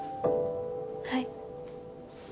はい。